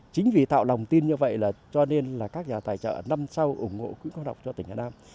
chính vì tạo lòng tin như vậy là cho nên là các nhà tài trợ năm sau ủng hộ quỹ khoa học cho tỉnh hà nam